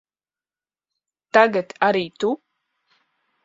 Tagad arī tu?